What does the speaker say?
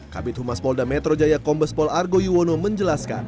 kabit humas polda metro jaya kombes pol argo yuwono menjelaskan